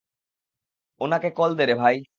ওনাকে কল দে রে, ভাই।